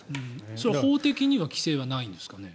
それは法的には規制はないんですかね。